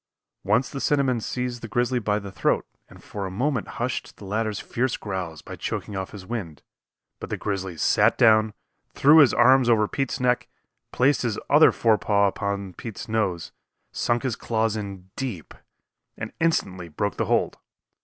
Once the cinnamon seized the grizzly by the throat and for a moment hushed the latter's fierce growls by choking off his wind, but the grizzly sat down, threw his arm over Pete's neck, placed his other forepaw upon Pete's nose, sunk his claws in deep, and instantly broke the hold.